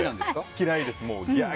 嫌いです。